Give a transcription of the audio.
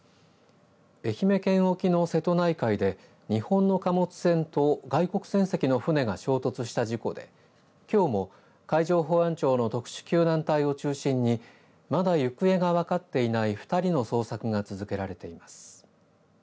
愛媛県沖の瀬戸内海で日本の貨物船と外国船籍の船が衝突した事故で、きょうも海上保安庁の特殊救難隊を中心にまだ行方が分かっていない２人の捜索が続けられています。